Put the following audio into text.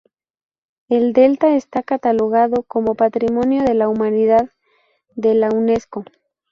El delta está catalogado como Patrimonio de la Humanidad de la Unesco.